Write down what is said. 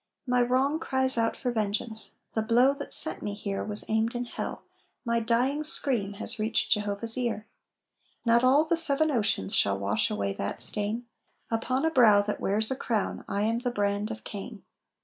"My wrong cries out for vengeance, The blow that sent me here Was aimed in hell. My dying scream Has reached Jehovah's ear. Not all the seven oceans Shall wash away that stain; Upon a brow that wears a crown I am the brand of Cain."